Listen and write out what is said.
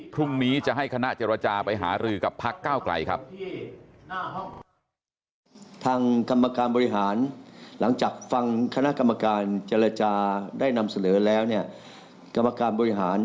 พรุ่งนี้จะให้คณะเจรจาไปหารือกับพักก้าวไกลครับ